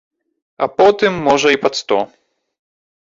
А потым можа і пад сто.